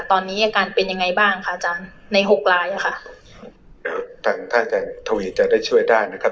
ตอนนี้อาการเป็นยังไงบ้างคะอาจารย์ในหกลายอ่ะค่ะถ้าจะทวีตจะได้ช่วยได้นะครับ